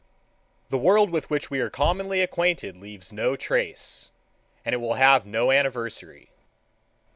The world with which we are commonly acquainted leaves no trace, and it will have no anniversary.